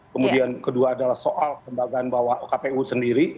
kemudian kedua adalah soal pembagaan bawa kpu sendiri